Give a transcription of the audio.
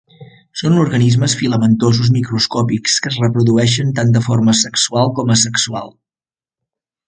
Són organismes filamentosos microscòpics que es reprodueixen tant de forma sexual com asexual.